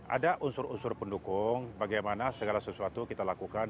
ada unsur unsur pendukung bagaimana segala sesuatu kita lakukan